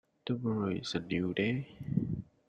Tomorrow is a new day.